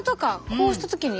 こうした時に。